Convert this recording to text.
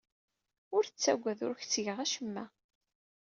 Ur ttagad. Ur ak-ttgeɣ acemma.